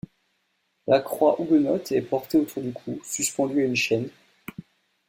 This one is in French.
La croix huguenote est portée autour du cou, suspendue à une chaîne.